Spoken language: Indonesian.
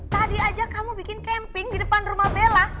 tadi aja kamu bikin camping di depan rumah bella